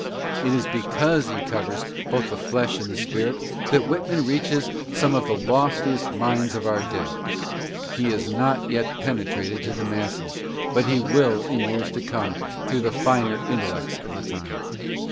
It is because he covers both the flesh and the spirit, that Whitman reaches some of the loftiest minds GILDER— HA WTHORNE. 39 of our day. He has not yet penetrated to the masses, but he will in years to come through the finer intellects of the time.